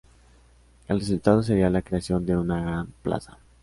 El resultado sería la creación de una gran plaza.